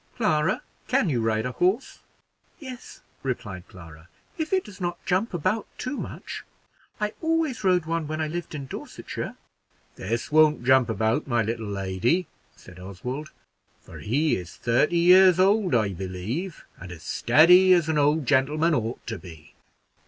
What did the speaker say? "Clara, can you ride a horse?" "Yes," replied Clara, "if it does not jump about too much. I always rode one when I lived in Dorsetshire." "This won't jump about, my little lady," said Oswald, "for he is thirty years old, I believe, and as steady as an old gentleman ought to be."